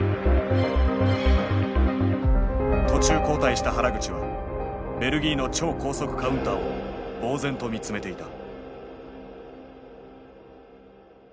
途中交代した原口はベルギーの超高速カウンターをぼう然と見つめていた。